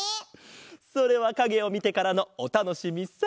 それはかげをみてからのおたのしみさ。